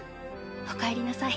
おかえりなさい。